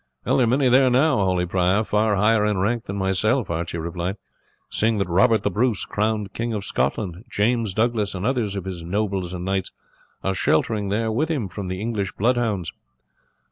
"There are many there now, holy prior, far higher in rank than myself," Archie replied, "seeing that Robert the Bruce, crowned King of Scotland, James Douglas, and others of his nobles and knights, are sheltering there with him from the English bloodhounds."